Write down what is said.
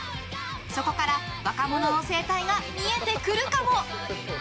そこから若者の生態が見えてくるかも。